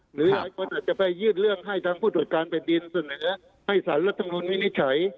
หรือหากคนอาจจะไปยื่นเรื่องให้ทั้งผู้จดการเป็นดินเสนอให้สรรภ์ทางรุนมินิชัย